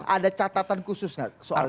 ada catatan khusus nggak soal itu